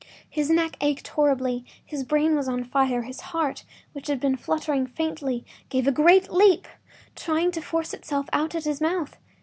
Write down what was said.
His neck ached horribly; his brain was on fire, his heart, which had been fluttering faintly, gave a great leap, trying to force itself out at his mouth.